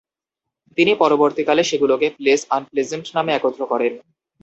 তিনি পরবর্তীকালে সেগুলোকে "প্লেস আনপ্লেজেন্ট" নামে একত্র করেন।